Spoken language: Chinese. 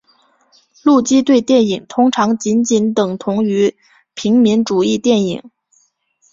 游击队电影通常仅仅等同于平民主义电影。